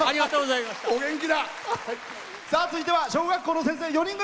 続いては小学校の先生４人組。